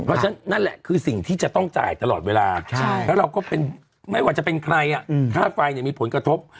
เพราะฉะนั้นนั่นแหละคือสิ่งที่จะต้องจ่ายตลอดเวลาแล้วเราก็เป็นไม่ว่าจะเป็นใครค่าไฟมีผลกระทบ